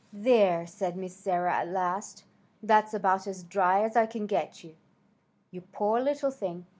"There!" said Miss Sarah at last. "That's about as dry as I can get you. You poor little thing!